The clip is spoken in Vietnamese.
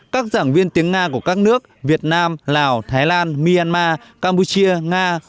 các giảng viên tiếng nga của các nước việt nam lào thái lan myanmar campuchia nga